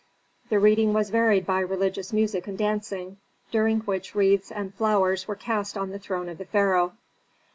The reading was varied by religious music and dancing, during which wreaths and flowers were cast on the throne of the pharaoh.